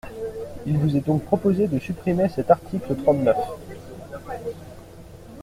Il vous est donc proposé de supprimer cet article trente-neuf.